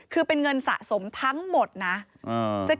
คือเป็นเงินสะสมทั้งหมดนะ